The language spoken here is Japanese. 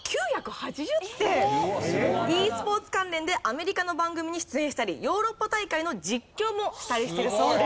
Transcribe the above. ｅスポーツ関連でアメリカの番組に出演したりヨーロッパ大会の実況もしたりしているそうです。